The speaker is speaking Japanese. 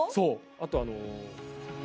あとあの。